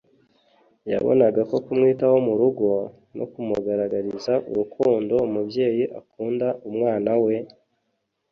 Yabonaga ko kumwitaho mu rugo, no kumugaragariza urukundo umubyeyi akunda umwana we,